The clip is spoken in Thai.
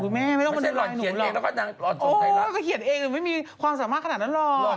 อ๋อเขาเขียนเองไม่มีความสามารถขนาดนั้นหรอ